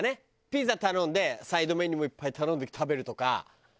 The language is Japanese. ピザ頼んでサイドメニューもいっぱい頼んで食べるとか。